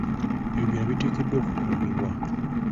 Ebibira biteekeddwa okukuumibwa.